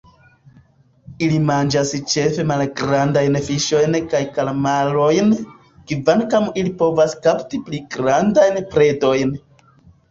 Ili manĝas ĉefe malgrandajn fiŝojn kaj kalmarojn, kvankam ili povas kapti pli grandajn predojn.